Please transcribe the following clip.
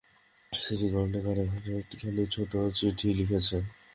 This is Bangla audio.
সিরি গ্রানেণ্ডার একখানি ছোট্ট চিঠি লিখেছে।